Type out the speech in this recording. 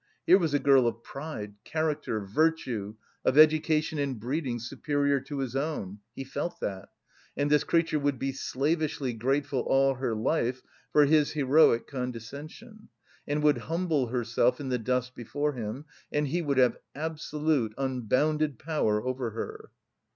Here was a girl of pride, character, virtue, of education and breeding superior to his own (he felt that), and this creature would be slavishly grateful all her life for his heroic condescension, and would humble herself in the dust before him, and he would have absolute, unbounded power over her!...